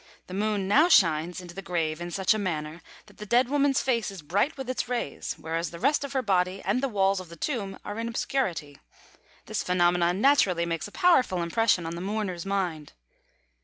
The Moon now shines into the grave in such a manner that the dead woman's face is bright with its rays, whereas the rest of her body and the walls of the tomb are in obscurity. This phenomenon naturally makes a powerful impression on the mourner's mind.